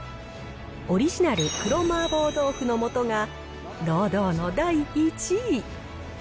オリジナル黒麻婆豆腐の素が、堂々の第１位。